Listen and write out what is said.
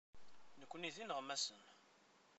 Nekkni d ineɣmasen.